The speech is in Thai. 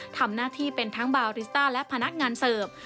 ทำหน้าที่เป็นทั้งบาริสต้าและพนักงานเสิร์ฟ